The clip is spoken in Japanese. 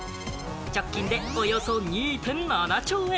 直近でおよそ２．７兆円。